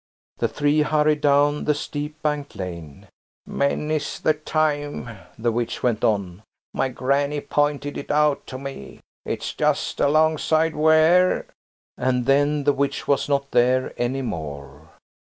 The three hurried down the steep banked lane. "Many's the time," the witch went on, "my granny pointed it out to me. It's just alongside where–" And then the witch was not there any more.